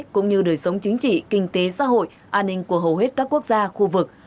cũng như đời sống chính trị kinh tế xã hội an ninh của hầu hết các quốc gia khu vực